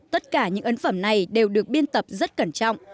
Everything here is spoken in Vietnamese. tất cả những ấn phẩm này đều được biên tập rất cẩn trọng